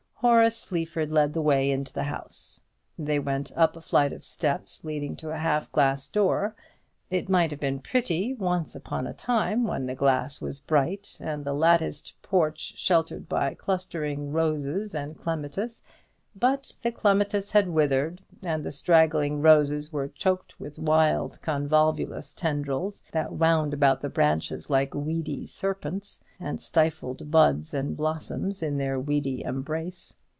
Horace Sleaford led the way into the house. They went up a flight of steps leading to a half glass door. It might have been pretty once upon a time, when the glass was bright, and the latticed porch sheltered by clustering roses and clematis; but the clematis had withered, and the straggling roses were choked with wild convolvulus tendrils, that wound about the branches like weedy serpents, and stifled buds and blossoms in their weedy embrace.